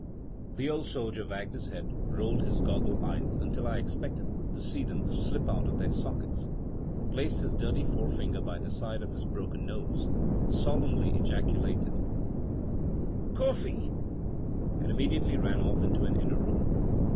The old soldier wagged his head, rolled his goggle eyes, until I expected to see them slip out of their sockets; placed his dirty forefinger by the side of his broken nose; solemnly ejaculated "Coffee!" and immediately ran off into an inner room.